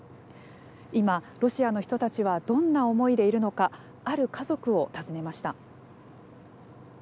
今ロシアの人たちはどんな思いでいるのかある家族を訪ねました。